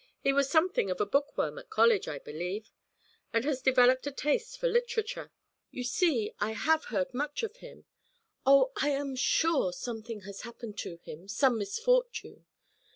He was something of a bookworm at college, I believe, and has developed a taste for literature. You see, I have heard much of him. Oh, I am sure something has happened to him, some misfortune!